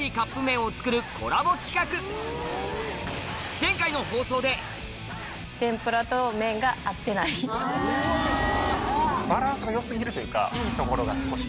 前回の放送でバランスが良過ぎるというか。